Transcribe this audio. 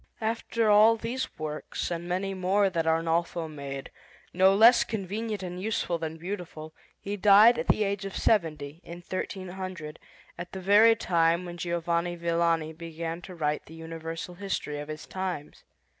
After all these works and many more that Arnolfo made, no less convenient and useful than beautiful, he died at the age of seventy, in 1300, at the very time when Giovanni Villani began to write the Universal History of his times.